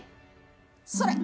それ！